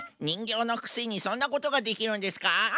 にんぎょうのくせにそんなことができるんですか？